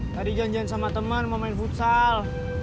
tadi janjian sama teman mau main futsal